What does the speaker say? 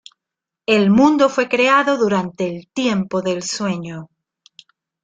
El mundo fue creado durante el Tiempo del Sueño.